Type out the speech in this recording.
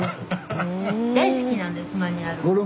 大好きなんですマニュアル。